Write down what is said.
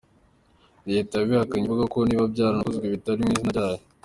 Leta yabihakanye ivuga ko niba byaranakozwe bitari mu izina ryayo.